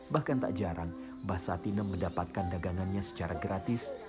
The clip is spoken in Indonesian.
bahkan tak jarang bahsatinem mendapatkan dagangannya secara gratis